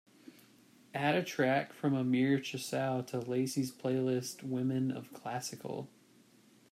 Add a track from amir chosrau to lacey's playlist women of classical